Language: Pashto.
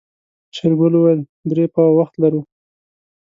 شېرګل وويل درې پاوه وخت لرو.